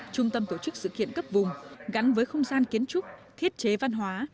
trung tâm tổ chức sự kiện cấp vùng gắn với không gian kiến trúc thiết chế văn hóa